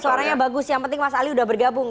suaranya bagus yang penting mas ali udah bergabung